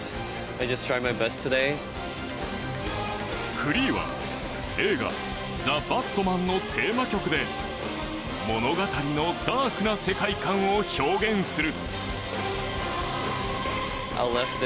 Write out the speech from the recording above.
フリーは、映画「ザ・バットマン」のテーマ曲で物語のダークな世界観を表現する。